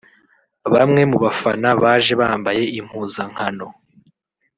Bamwe mu bafana baje bambaye impuzankano